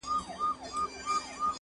لوی څښتن مي دی د رزق پوروړی-